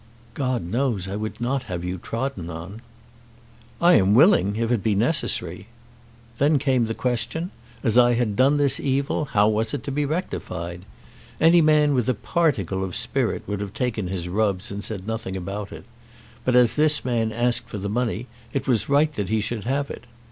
"God knows I would not have you trodden on." "I am willing, if it be necessary. Then came the question; as I had done this evil, how was it to be rectified? Any man with a particle of spirit would have taken his rubs and said nothing about it. But as this man asked for the money, it was right that he should have it.